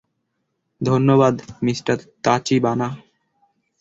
ধন্যবাদ, মিঃ তাচিবানা।